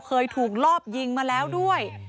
เคยถูกลอบยิงมาแล้วด้วย